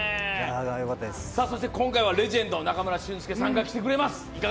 そして今回はレジェンド・中村俊輔選手が来てくれます。